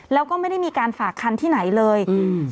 แล้วก็ไม่ได้มีการฝากคันที่ไหนเลยอืม